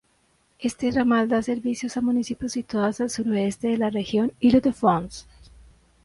Este ramal da servicio a municipios situados al suroeste de la región Île-de-France.